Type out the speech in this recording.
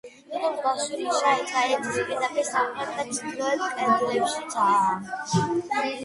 თითო მსგავსი ნიშა, ერთმანეთის პირდაპირ სამხრეთ და ჩრდილოეთ კედლებშიცაა.